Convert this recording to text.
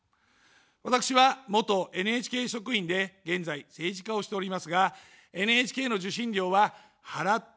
私は元ＮＨＫ職員で、現在、政治家をしておりますが、ＮＨＫの受信料は払ってません。